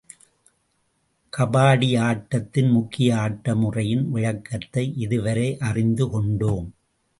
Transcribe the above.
கபாடி ஆட்டத்தின் முக்கிய ஆட்ட முறையின் விளக்கத்தை இதுவரை அறிந்து கொண்டோம்.